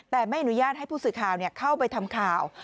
แต่ไม่อนุญาตให้ผู้สื่อข่าวเข้าไปทำข่าว